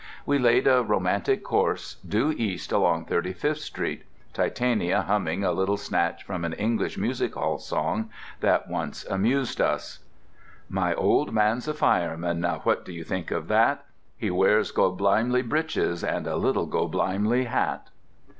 We laid a romantic course due east along 35th Street, Titania humming a little snatch from an English music hall song that once amused us: "My old man's a fireman Now what do you think of that? He wears goblimey breeches And a little goblimey hat."